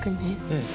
うん。